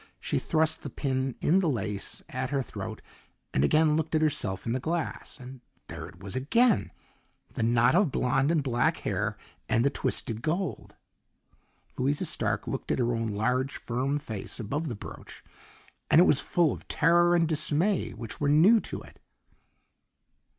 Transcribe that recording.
She thrust the pin in the laces at her throat and again looked at herself in the glass, and there it was again the knot of blond and black hair and the twisted gold. Louisa Stark looked at her own large, firm face above the brooch and it was full of terror and dismay which were new to it.